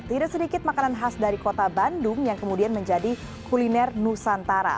tidak sedikit makanan khas dari kota bandung yang kemudian menjadi kuliner nusantara